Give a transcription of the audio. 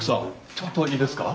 ちょっといいですか？